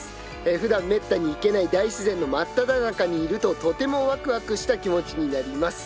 ふだんめったに行けない大自然の真っただ中にいるととてもワクワクした気持ちになります。